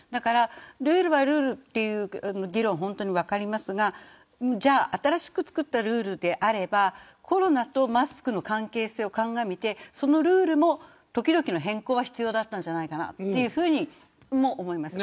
ルールはルールという議論も分かりますがじゃあ新しく作ったルールであればコロナとマスクの関係性を鑑みてそのルールも、その時々で変更が必要だったとも思います。